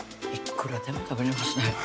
いっくらでも食べれますね